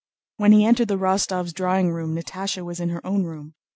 When he entered the Rostóvs' drawing room Natásha was in her own room.